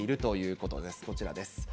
こちらです。